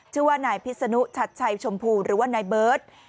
ชื่อว่าไหนพิสนุชัดชัยชมพูหรือว่าไนบัส